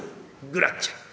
グラッチェ。